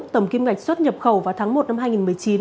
tổng kim ngạch xuất nhập khẩu vào tháng một năm hai nghìn một mươi chín